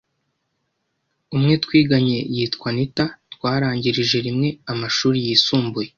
Umwe twiganye yitwa Anitha, twarangirije rimwe amashuri yisumbuye,